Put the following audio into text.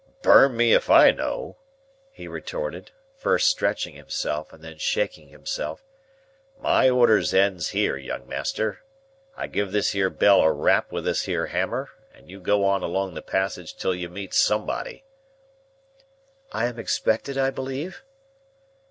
"Burn me, if I know!" he retorted, first stretching himself and then shaking himself; "my orders ends here, young master. I give this here bell a rap with this here hammer, and you go on along the passage till you meet somebody." "I am expected, I believe?"